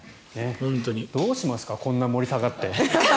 どうしますかこんなに盛り下がって。